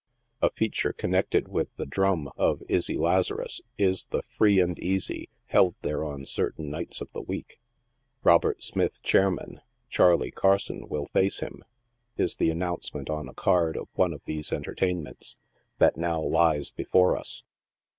A feature connected with the " drum" of Izzy Laza rus is the "free and easy" held there on certain nights cf the week. lt Robert Smith, Chairman ; Charley Carson will face him," is the announcement on a card of one of these entertainments, that now lies before us.